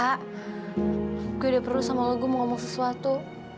aku sudah perlu sama logu mau ngomong sesuatu